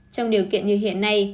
trong điều kiện như hiện nay